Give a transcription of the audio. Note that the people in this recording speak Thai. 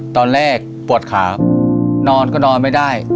ตอนแรกปวดขานอนก็นอนไม่ได้